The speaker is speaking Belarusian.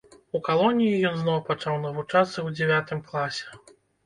У калоніі ён зноў пачаў навучацца ў дзявятым класе.